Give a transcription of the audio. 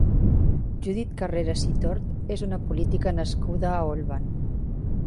Judit Carreras i Tort és una política nascuda a Olvan.